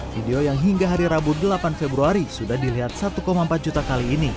video yang hingga hari rabu delapan februari sudah dilihat satu empat juta kali ini